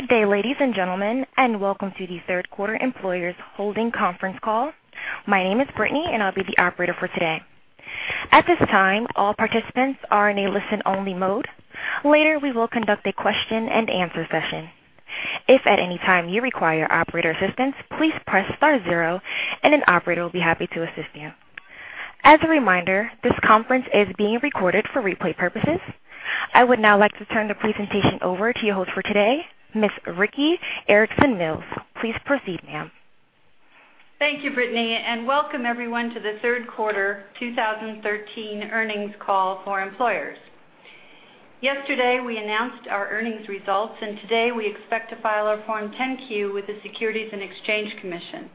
Good day, ladies and gentlemen, welcome to the third quarter Employers Holdings conference call. My name is Brittany, and I'll be the operator for today. At this time, all participants are in a listen-only mode. Later, we will conduct a question and answer session. If at any time you require operator assistance, please press star zero and an operator will be happy to assist you. As a reminder, this conference is being recorded for replay purposes. I would now like to turn the presentation over to your host for today, Ms. Vicki Erickson Mills. Please proceed, ma'am. Thank you, Brittany, welcome everyone to the third quarter 2013 earnings call for Employers. Yesterday, we announced our earnings results, today we expect to file our Form 10-Q with the Securities and Exchange Commission.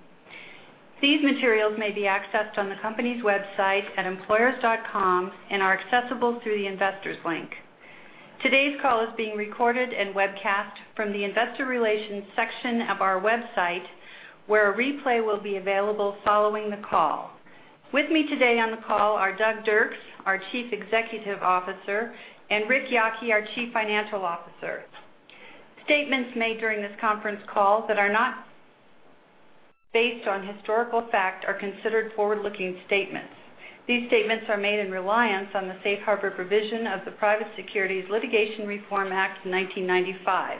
These materials may be accessed on the company's website at employers.com are accessible through the Investors link. Today's call is being recorded webcast from the investor relations section of our website, where a replay will be available following the call. With me today on the call are Doug Dirks, our Chief Executive Officer, Ric Yocke, our Chief Financial Officer. Statements made during this conference call that are not based on historical fact are considered forward-looking statements. These statements are made in reliance on the safe harbor provision of the Private Securities Litigation Reform Act of 1995.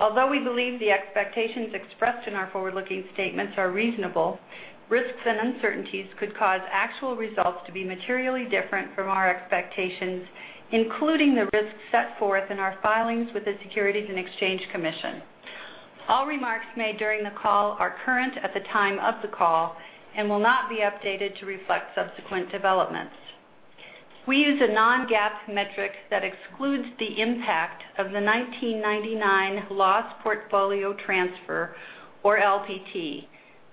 Although we believe the expectations expressed in our forward-looking statements are reasonable, risks uncertainties could cause actual results to be materially different from our expectations, including the risks set forth in our filings with the Securities and Exchange Commission. All remarks made during the call are current at the time of the call will not be updated to reflect subsequent developments. We use a non-GAAP metric that excludes the impact of the 1999 loss portfolio transfer, or LPT.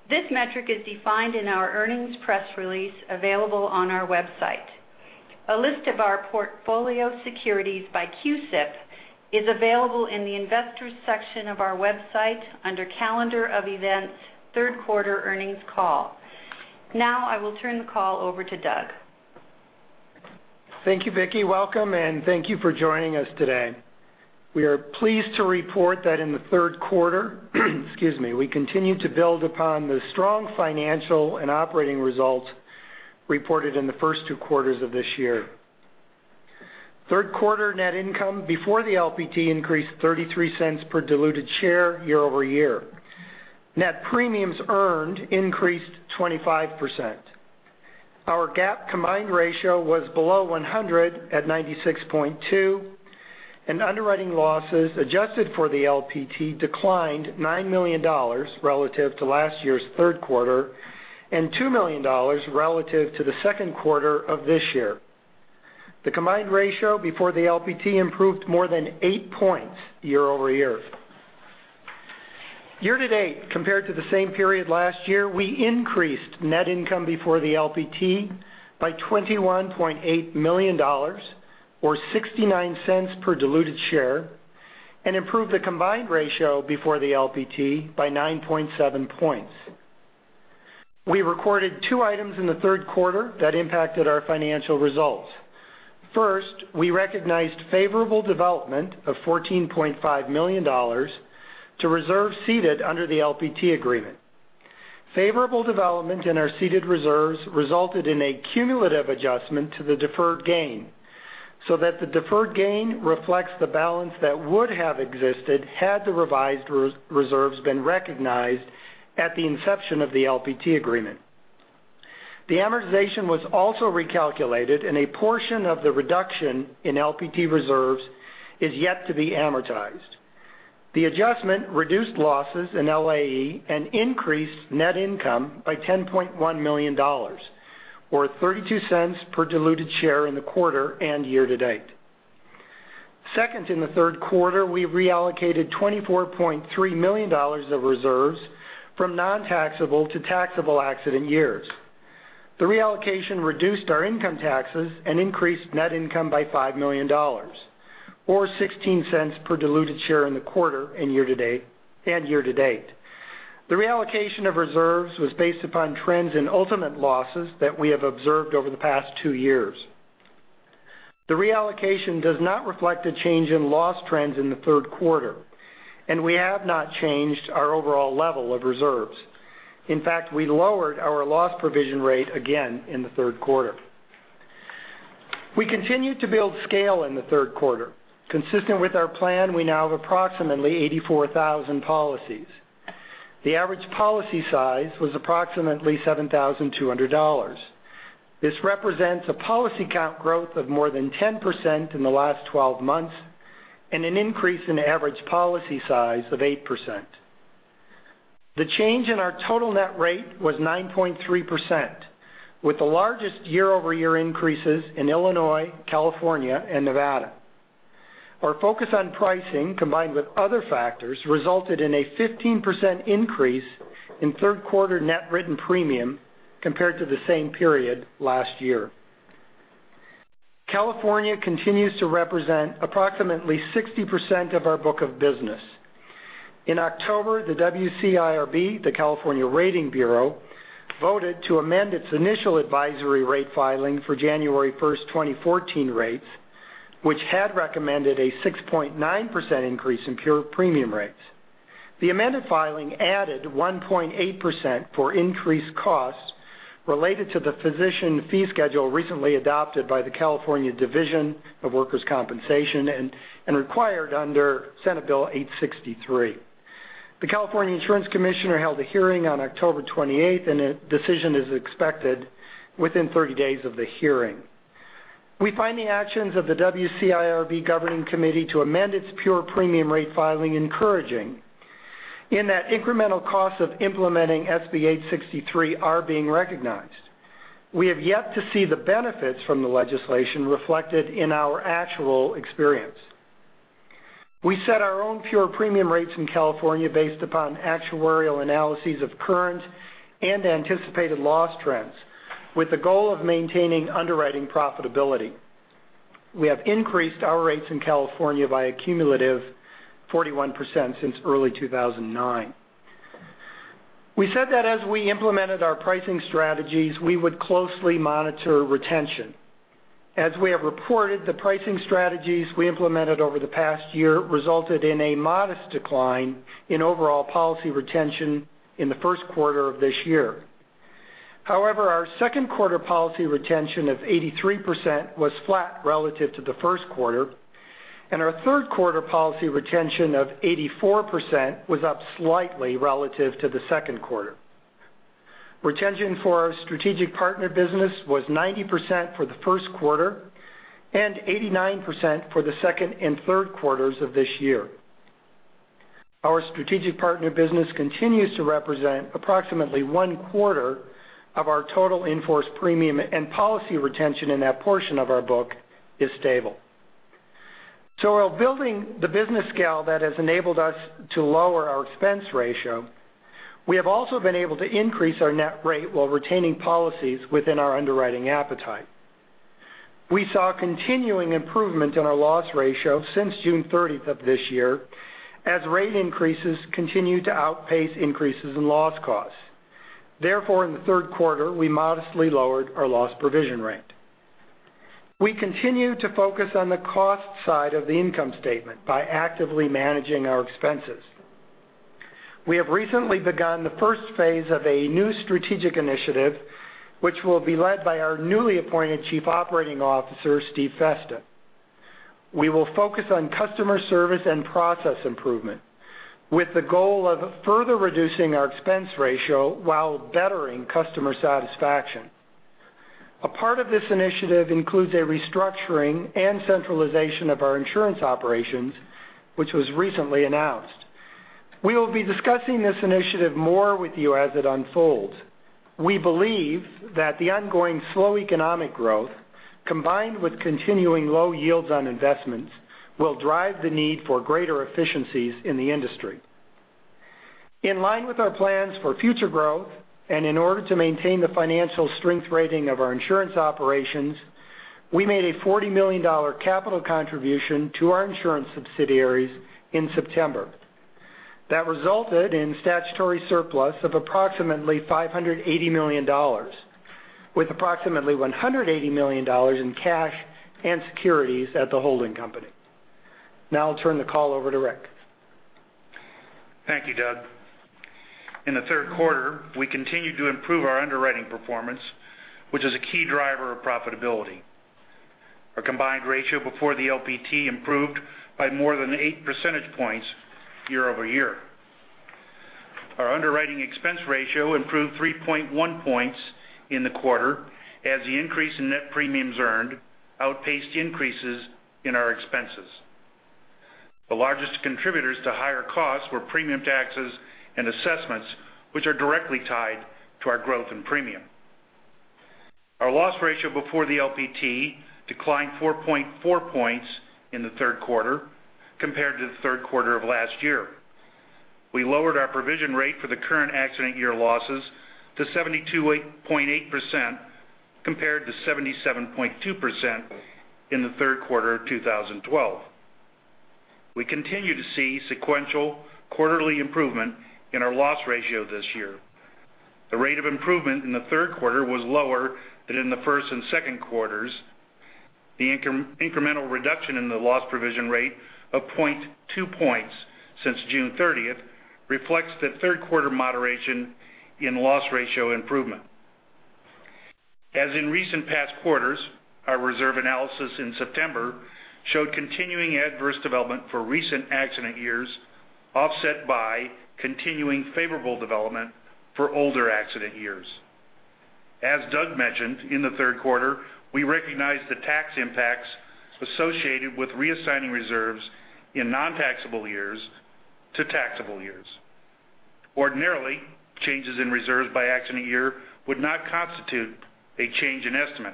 This metric is defined in our earnings press release available on our website. A list of our portfolio securities by CUSIP is available in the investors section of our website under Calendar of Events, Third Quarter Earnings Call. Now, I will turn the call over to Doug. Thank you, Vicki. Welcome, thank you for joining us today. We are pleased to report that in the third quarter, we continued to build upon the strong financial operating results reported in the first two quarters of this year. Third quarter net income before the LPT increased $0.33 per diluted share year-over-year. Net premiums earned increased 25%. Our GAAP combined ratio was below 100 at 96.2, underwriting losses adjusted for the LPT declined $9 million relative to last year's third quarter $2 million relative to the second quarter of this year. The combined ratio before the LPT improved more than eight points year-over-year. Year-to-date, compared to the same period last year, we increased net income before the LPT by $21.8 million, or $0.69 per diluted share, improved the combined ratio before the LPT by 9.7 points. We recorded two items in the third quarter that impacted our financial results. First, we recognized favorable development of $14.5 million to reserves ceded under the LPT agreement. Favorable development in our ceded reserves resulted in a cumulative adjustment to the deferred gain, so that the deferred gain reflects the balance that would have existed had the revised reserves been recognized at the inception of the LPT agreement. The amortization was also recalculated, and a portion of the reduction in LPT reserves is yet to be amortized. The adjustment reduced losses in LAE and increased net income by $10.1 million, or $0.32 per diluted share in the quarter and year to date. Second, in the third quarter, we reallocated $24.3 million of reserves from non-taxable to taxable accident years. The reallocation reduced our income taxes and increased net income by $5 million, or $0.16 per diluted share in the quarter and year to date. The reallocation of reserves was based upon trends in ultimate losses that we have observed over the past two years. The reallocation does not reflect a change in loss trends in the third quarter, and we have not changed our overall level of reserves. In fact, we lowered our loss provision rate again in the third quarter. We continued to build scale in the third quarter. Consistent with our plan, we now have approximately 84,000 policies. The average policy size was approximately $7,200. This represents a policy count growth of more than 10% in the last 12 months and an increase in average policy size of 8%. The change in our total net rate was 9.3%, with the largest year-over-year increases in Illinois, California, and Nevada. Our focus on pricing, combined with other factors, resulted in a 15% increase in third quarter net written premium compared to the same period last year. California continues to represent approximately 60% of our book of business. In October, the WCIRB, the California Rating Bureau, voted to amend its initial advisory rate filing for January 1st, 2014 rates, which had recommended a 6.9% increase in pure premium rates. The amended filing added 1.8% for increased costs related to the physician fee schedule recently adopted by the California Division of Workers' Compensation and required under Senate Bill 863. The California Insurance Commissioner held a hearing on October 28th, and a decision is expected within 30 days of the hearing. We find the actions of the WCIRB governing committee to amend its pure premium rate filing encouraging, in that incremental costs of implementing SB 863 are being recognized. We have yet to see the benefits from the legislation reflected in our actual experience. We set our own pure premium rates in California based upon actuarial analyses of current and anticipated loss trends, with the goal of maintaining underwriting profitability. We have increased our rates in California by a cumulative 41% since early 2009. We said that as we implemented our pricing strategies, we would closely monitor retention. As we have reported, the pricing strategies we implemented over the past year resulted in a modest decline in overall policy retention in the first quarter of this year. However, our second quarter policy retention of 83% was flat relative to the first quarter, and our third quarter policy retention of 84% was up slightly relative to the second quarter. Retention for our strategic partner business was 90% for the first quarter and 89% for the second and third quarters of this year. Our strategic partner business continues to represent approximately one-quarter of our total in-force premium, and policy retention in that portion of our book is stable. While building the business scale that has enabled us to lower our expense ratio, we have also been able to increase our net rate while retaining policies within our underwriting appetite. We saw continuing improvement in our loss ratio since June 30th of this year, as rate increases continue to outpace increases in loss costs. Therefore, in the third quarter, we modestly lowered our loss provision rate. We continue to focus on the cost side of the income statement by actively managing our expenses. We have recently begun the first phase of a new strategic initiative, which will be led by our newly appointed Chief Operating Officer, Steve Festa. We will focus on customer service and process improvement, with the goal of further reducing our expense ratio while bettering customer satisfaction. A part of this initiative includes a restructuring and centralization of our insurance operations, which was recently announced. We will be discussing this initiative more with you as it unfolds. We believe that the ongoing slow economic growth, combined with continuing low yields on investments, will drive the need for greater efficiencies in the industry. In line with our plans for future growth, and in order to maintain the financial strength rating of our insurance operations, we made a $40 million capital contribution to our insurance subsidiaries in September. That resulted in statutory surplus of approximately $580 million, with approximately $180 million in cash and securities at the holding company. Now I'll turn the call over to Ric. Thank you, Doug. In the third quarter, we continued to improve our underwriting performance, which is a key driver of profitability. Our combined ratio before the LPT improved by more than eight percentage points year-over-year. Our underwriting expense ratio improved 3.1 points in the quarter as the increase in net premiums earned outpaced increases in our expenses. The largest contributors to higher costs were premium taxes and assessments, which are directly tied to our growth in premium. Our loss ratio before the LPT declined 4.4 points in the third quarter compared to the third quarter of last year. We lowered our provision rate for the current accident year losses to 72.8%, compared to 77.2% in the third quarter of 2012. We continue to see sequential quarterly improvement in our loss ratio this year. The rate of improvement in the third quarter was lower than in the first and second quarters. The incremental reduction in the loss provision rate of 0.2 points since June 30th reflects the third quarter moderation in loss ratio improvement. As in recent past quarters, our reserve analysis in September showed continuing adverse development for recent accident years, offset by continuing favorable development for older accident years. As Doug mentioned, in the third quarter, we recognized the tax impacts associated with reassigning reserves in non-taxable years to taxable years. Ordinarily, changes in reserves by accident year would not constitute a change in estimate.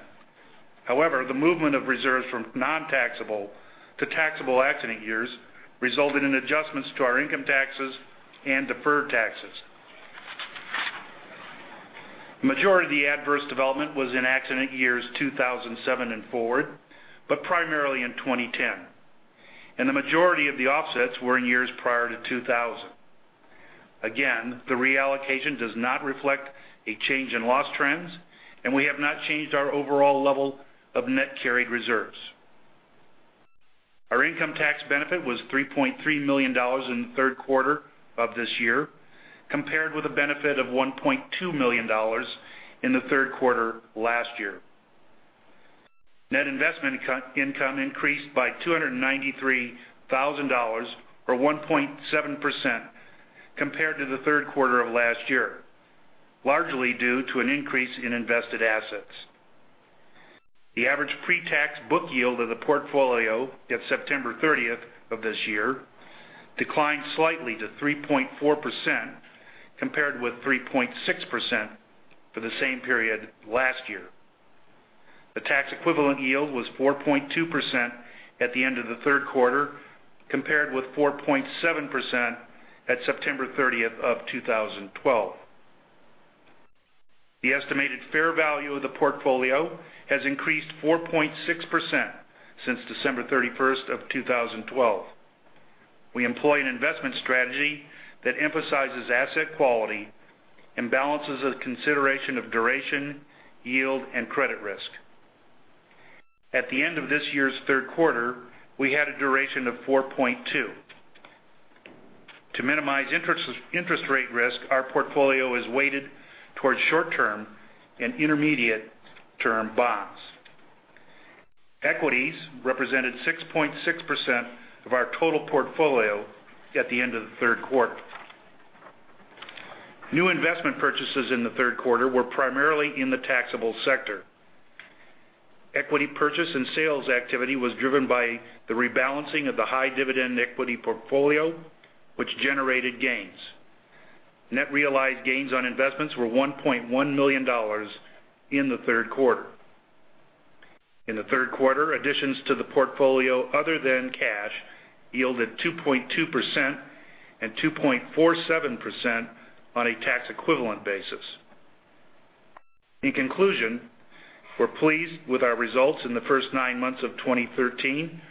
However, the movement of reserves from non-taxable to taxable accident years resulted in adjustments to our income taxes and deferred taxes. The majority of the adverse development was in accident years 2007 and forward, but primarily in 2010. The majority of the offsets were in years prior to 2000. Again, the reallocation does not reflect a change in loss trends, and we have not changed our overall level of net carried reserves. Our income tax benefit was $3.3 million in the third quarter of this year, compared with a benefit of $1.2 million in the third quarter last year. Net investment income increased by $293,000 or 1.7% compared to the third quarter of last year, largely due to an increase in invested assets. The average pre-tax book yield of the portfolio at September 30th of this year declined slightly to 3.4%, compared with 3.6% for the same period last year. The tax equivalent yield was 4.2% at the end of the third quarter, compared with 4.7% at September 30th of 2012. The estimated fair value of the portfolio has increased 4.6% since December 31st of 2012. We employ an investment strategy that emphasizes asset quality and balances a consideration of duration, yield and credit risk. At the end of this year's third quarter, we had a duration of 4.2. To minimize interest rate risk, our portfolio is weighted towards short-term and intermediate term bonds. Equities represented 6.6% of our total portfolio at the end of the third quarter. New investment purchases in the third quarter were primarily in the taxable sector. Equity purchase and sales activity was driven by the rebalancing of the high dividend equity portfolio, which generated gains. Net realized gains on investments were $1.1 million in the third quarter. In the third quarter, additions to the portfolio other than cash yielded 2.2% and 2.47% on a tax equivalent basis. In conclusion, we're pleased with our results in the first nine months of 2013,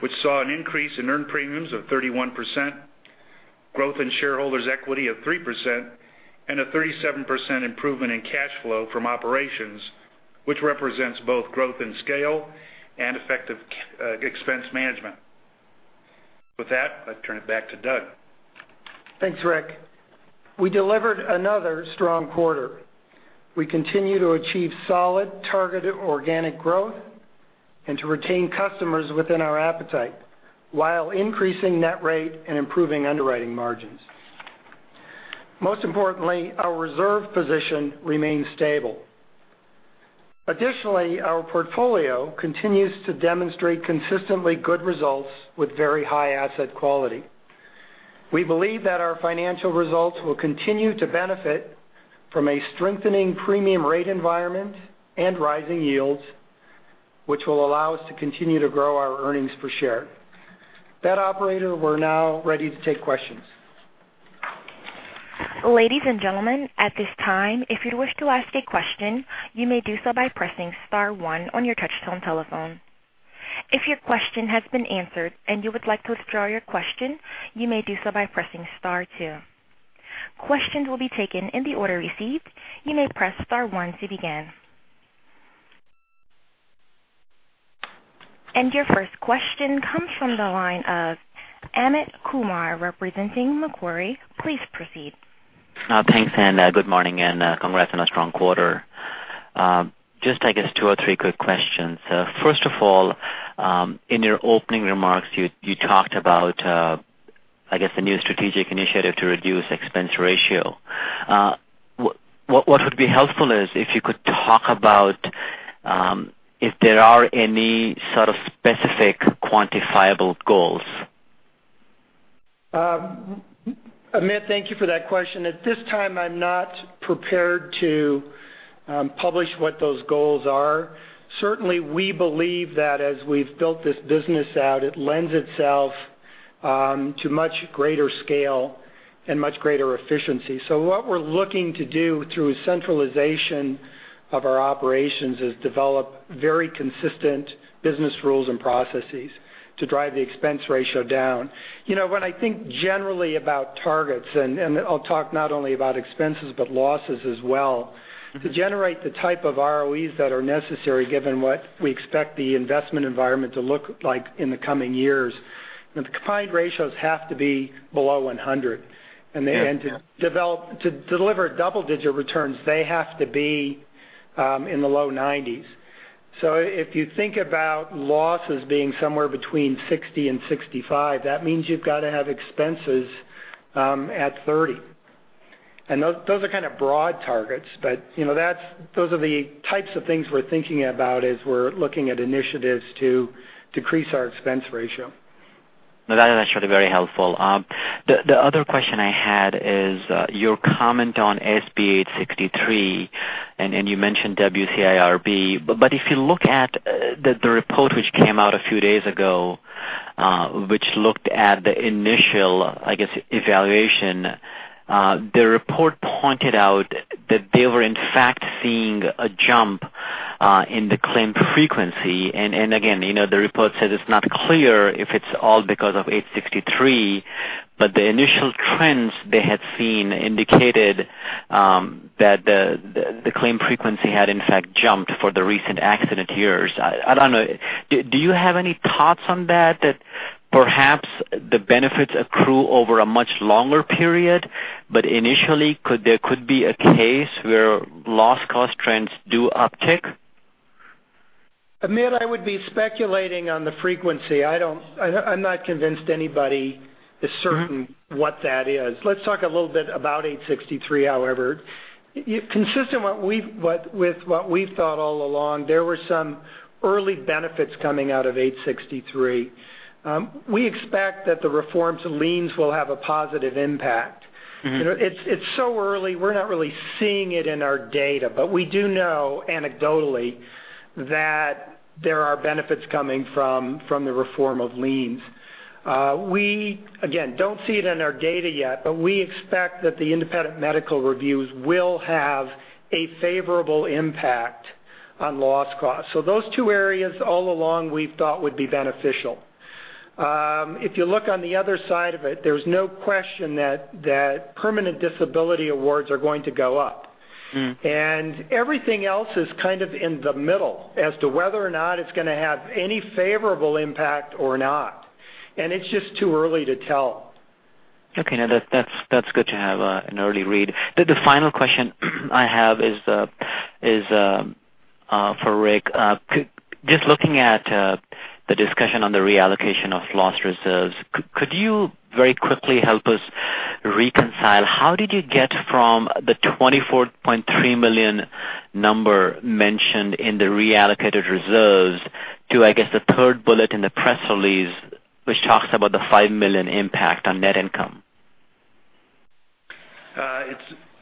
which saw an increase in earned premiums of 31%, growth in shareholders' equity of 3% and a 37% improvement in cash flow from operations, which represents both growth and scale and effective expense management. With that, I'll turn it back to Doug. Thanks, Ric. We delivered another strong quarter. We continue to achieve solid targeted organic growth and to retain customers within our appetite while increasing net rate and improving underwriting margins. Most importantly, our reserve position remains stable. Additionally, our portfolio continues to demonstrate consistently good results with very high asset quality. We believe that our financial results will continue to benefit from a strengthening premium rate environment and rising yields, which will allow us to continue to grow our earnings per share. With that operator, we're now ready to take questions. Ladies and gentlemen, at this time, if you'd wish to ask a question, you may do so by pressing star one on your touchtone telephone. If your question has been answered and you would like to withdraw your question, you may do so by pressing star two. Questions will be taken in the order received. You may press star one to begin. Your first question comes from the line of Amit Kumar representing Macquarie. Please proceed. Thanks, good morning, and congrats on a strong quarter. Just, I guess two or three quick questions. First of all, in your opening remarks you talked about, I guess, the new strategic initiative to reduce expense ratio. What would be helpful is if you could talk about if there are any sort of specific quantifiable goals. Amit, thank you for that question. At this time, I'm not prepared to publish what those goals are. Certainly, we believe that as we've built this business out, it lends itself to much greater scale and much greater efficiency. What we're looking to do through centralization of our operations is develop very consistent business rules and processes to drive the expense ratio down. When I think generally about targets, and I'll talk not only about expenses but losses as well, to generate the type of ROEs that are necessary given what we expect the investment environment to look like in the coming years, the combined ratios have to be below 100. Yes. To deliver double-digit returns, they have to be in the low 90s. If you think about losses being somewhere between 60% and 65%, that means you've got to have expenses at 30%. Those are kind of broad targets, but those are the types of things we're thinking about as we're looking at initiatives to decrease our expense ratio. No, that is actually very helpful. The other question I had is your comment on SB 863, and you mentioned WCIRB, but if you look at the report which came out a few days ago which looked at the initial, I guess, evaluation. The report pointed out that they were in fact seeing a jump in the claim frequency. Again, the report says it's not clear if it's all because of 863, but the initial trends they had seen indicated that the claim frequency had in fact jumped for the recent accident years. I don't know. Do you have any thoughts on that perhaps the benefits accrue over a much longer period, but initially there could be a case where loss cost trends do uptick? Amit, I would be speculating on the frequency. I'm not convinced anybody is certain what that is. Let's talk a little bit about 863, however. Consistent with what we've thought all along, there were some early benefits coming out of 863. We expect that the reforms of liens will have a positive impact. It's so early, we're not really seeing it in our data, but we do know anecdotally that there are benefits coming from the reform of liens. We, again, don't see it in our data yet, but we expect that the Independent Medical Reviews will have a favorable impact on loss costs. Those two areas all along we've thought would be beneficial. If you look on the other side of it, there's no question that permanent disability awards are going to go up. Everything else is kind of in the middle as to whether or not it's going to have any favorable impact or not, and it's just too early to tell. Okay. No, that's good to have an early read. The final question I have is for Ric. Just looking at the discussion on the reallocation of loss reserves, could you very quickly help us reconcile how did you get from the $24.3 million number mentioned in the reallocated reserves to, I guess, the third bullet in the press release, which talks about the $5 million impact on net income?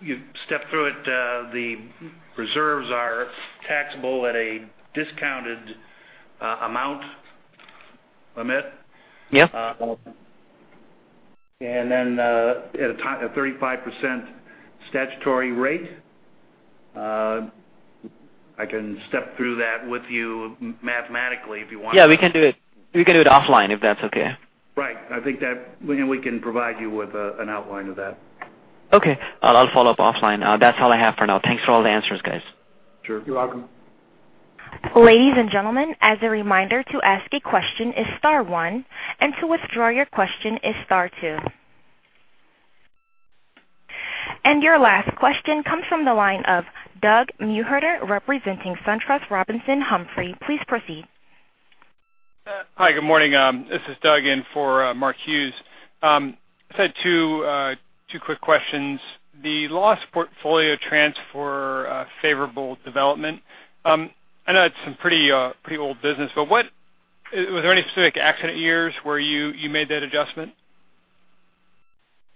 You step through it, the reserves are taxable at a discounted amount, Amit. Yeah. Then at a 35% statutory rate. I can step through that with you mathematically, if you want. Yeah, we can do it offline, if that's okay. Right. We can provide you with an outline of that. Okay. I'll follow up offline. That's all I have for now. Thanks for all the answers, guys. Sure. You're welcome. Ladies and gentlemen, as a reminder to ask a question is star one, to withdraw your question is star two. Your last question comes from the line of Douglas Mewhirter representing SunTrust Robinson Humphrey. Please proceed. Hi, good morning. This is Doug in for Mark Hughes. I just had two quick questions. The loss portfolio trends for favorable development. I know that's some pretty old business, but was there any specific accident years where you made that adjustment?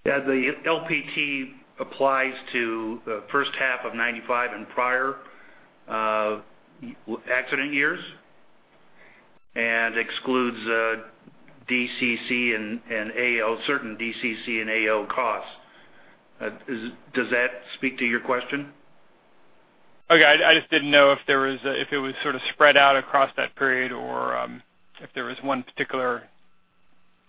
Yeah, the LPT applies to the first half of 1995 and prior accident years and excludes DCC and AO, certain DCC and AO costs. Does that speak to your question? Okay. I just didn't know if it was sort of spread out across that period or if there was one particular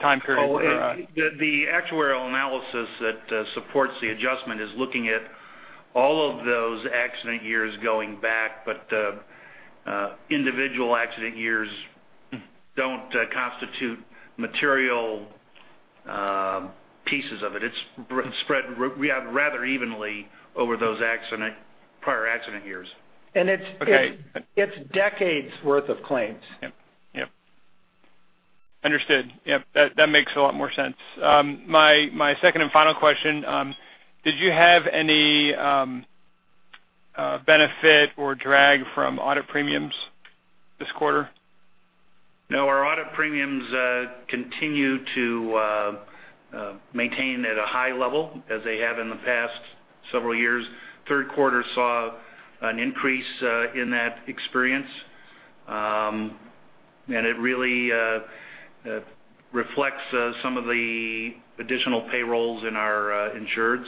time period. The actuarial analysis that supports the adjustment is looking at all of those accident years going back, individual accident years don't constitute material pieces of it. It's spread rather evenly over those prior accident years. It's decades worth of claims. Yep. Understood. Yep, that makes a lot more sense. My second and final question, did you have any benefit or drag from audit premiums this quarter? No, our audit premiums continue to maintain at a high level as they have in the past several years. Third quarter saw an increase in that experience. It really reflects some of the additional payrolls in our insureds.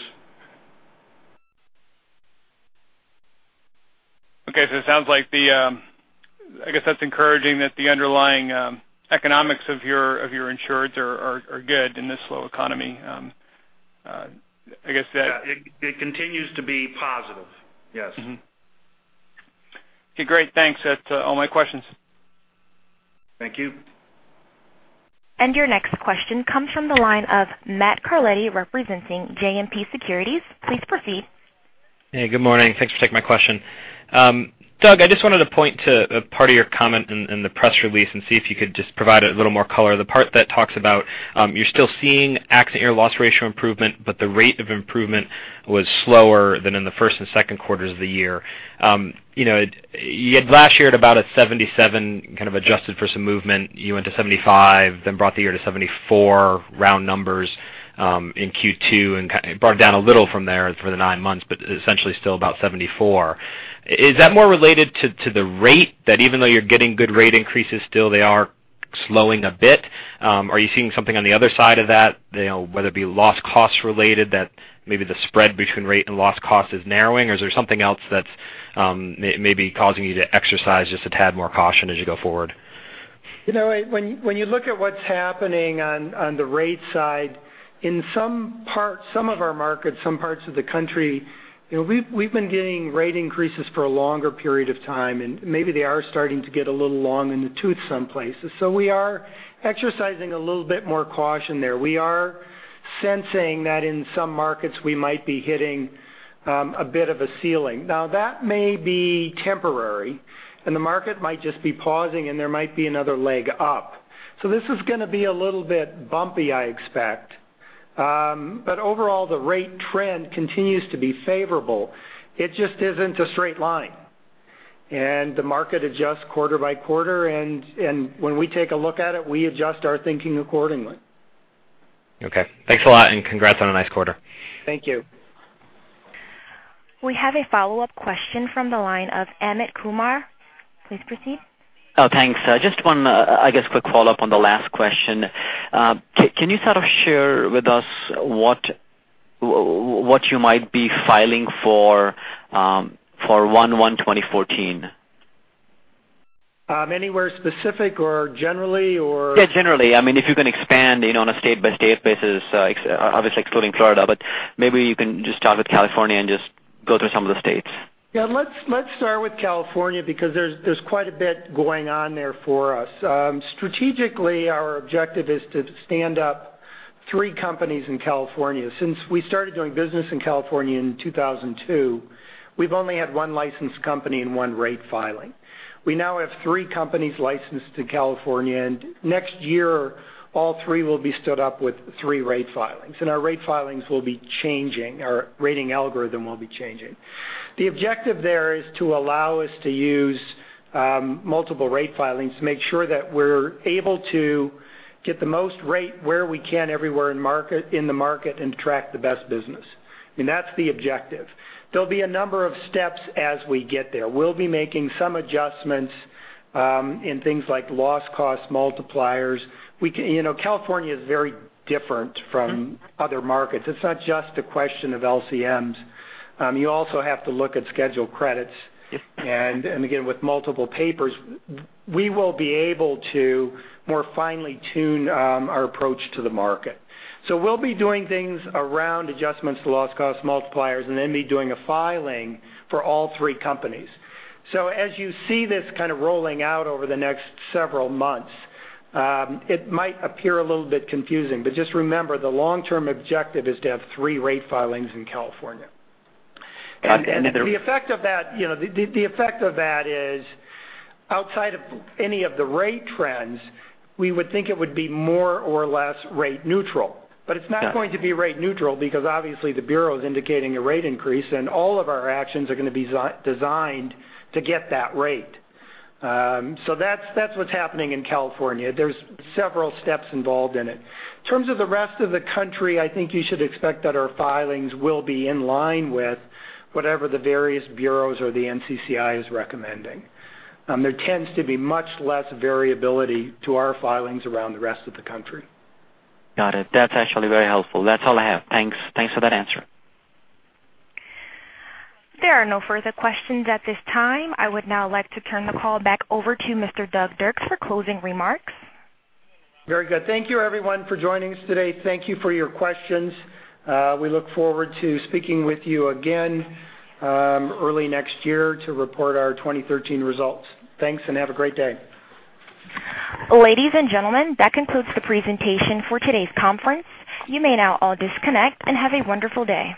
Okay. I guess that's encouraging that the underlying economics of your insureds are good in this slow economy. Yeah, it continues to be positive. Yes. Okay, great. Thanks. That's all my questions. Thank you. Your next question comes from the line of Matthew Carletti, representing JMP Securities. Please proceed. Hey, good morning. Thanks for taking my question. Doug, I just wanted to point to a part of your comment in the press release and see if you could just provide a little more color. The part that talks about, you're still seeing accident year loss ratio improvement, but the rate of improvement was slower than in the first and second quarters of the year. You had last year at about a 77, kind of adjusted for some movement. You went to 75, then brought the year to 74 round numbers, in Q2, and brought it down a little from there for the nine months, but essentially still about 74. Is that more related to the rate that even though you're getting good rate increases, still they are slowing a bit? Are you seeing something on the other side of that, whether it be loss cost related, that maybe the spread between rate and loss cost is narrowing? Is there something else that's maybe causing you to exercise just a tad more caution as you go forward? When you look at what's happening on the rate side, in some of our markets, some parts of the country, we've been getting rate increases for a longer period of time, and maybe they are starting to get a little long in the tooth some places. We are exercising a little bit more caution there. We are sensing that in some markets we might be hitting a bit of a ceiling. That may be temporary and the market might just be pausing and there might be another leg up. This is going to be a little bit bumpy, I expect. Overall, the rate trend continues to be favorable. It just isn't a straight line. The market adjusts quarter by quarter, and when we take a look at it, we adjust our thinking accordingly. Okay. Thanks a lot and congrats on a nice quarter. Thank you. We have a follow-up question from the line of Amit Kumar. Please proceed. Oh, thanks. Just one, I guess, quick follow-up on the last question. Can you sort of share with us what you might be filing for 01/01/2014? Anywhere specific or generally? Yeah, generally. If you can expand on a state-by-state basis, obviously excluding Florida, but maybe you can just start with California and just go through some of the states. Yeah, let's start with California because there's quite a bit going on there for us. Strategically, our objective is to stand up three companies in California. Since we started doing business in California in 2002, we've only had one licensed company and one rate filing. We now have three companies licensed in California, and next year, all three will be stood up with three rate filings. Our rate filings will be changing. Our rating algorithm will be changing. The objective there is to allow us to use multiple rate filings to make sure that we're able to get the most rate where we can everywhere in the market and track the best business. That's the objective. There'll be a number of steps as we get there. We'll be making some adjustments in things like loss cost multipliers. California is very different from other markets. It's not just a question of LCMs. You also have to look at schedule credits. Yes. With multiple papers, we will be able to more finely tune our approach to the market. We'll be doing things around adjustments to loss cost multipliers, doing a filing for all three companies. As you see this kind of rolling out over the next several months, it might appear a little bit confusing, but just remember, the long-term objective is to have three rate filings in California. The effect of that is outside of any of the rate trends, we would think it would be more or less rate neutral. It's not going to be rate neutral because obviously the bureau is indicating a rate increase, all of our actions are going to be designed to get that rate. That's what's happening in California. There's several steps involved in it. In terms of the rest of the country, I think you should expect that our filings will be in line with whatever the various bureaus or the NCCI is recommending. There tends to be much less variability to our filings around the rest of the country. Got it. That's actually very helpful. That's all I have. Thanks for that answer. There are no further questions at this time. I would now like to turn the call back over to Mr. Doug Dirks for closing remarks. Very good. Thank you everyone for joining us today. Thank you for your questions. We look forward to speaking with you again early next year to report our 2013 results. Thanks and have a great day. Ladies and gentlemen, that concludes the presentation for today's conference. You may now all disconnect and have a wonderful day.